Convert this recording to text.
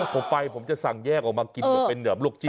ขอไปผมจะสั่งแยกออกมากินเหมือนเหนือบลูกจิ้น